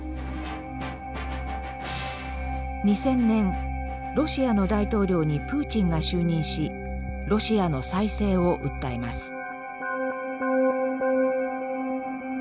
２０００年ロシアの大統領にプーチンが就任しロシアの再生を訴えます。